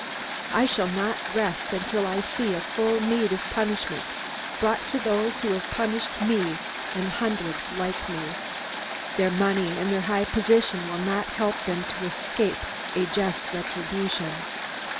I shall not rest until I see a full meed of punishment brought to those who have punished me and hundreds like me. Their money and their high position will not help them to escape a just retribution."